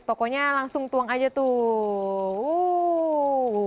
pokoknya langsung tuang aja tuh